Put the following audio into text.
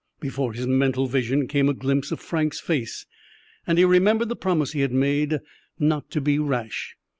Before his mental vision came a glimpse of Frank's face, and he remembered the promise he had made not to be rash.